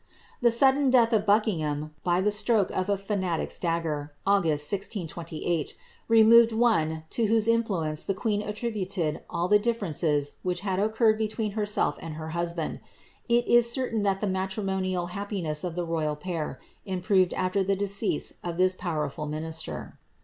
The sudden death of Buckingham, by the stroke of a fanatic's dagger, .Viffiist. 1628, removed one to whose influence the queen attributed all '.e ditierences which had occurred between herself and her husband. It > certain that the matrimonial happiness of the royal pair improved after :he decease of this powerful minister.